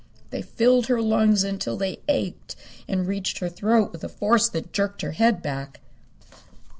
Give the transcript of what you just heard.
They filled her lungs until they ached and reached her throat with a force that jerked her head back.